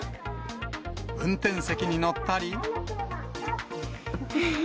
運転席に乗ったり。